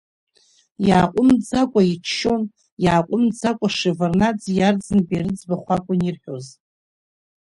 Иааҟәымҵӡакәа иччон, иаҟәымҵӡакәа Шеварднаӡеи Арӡынбеи рыӡбахә акәын ирҳәоз.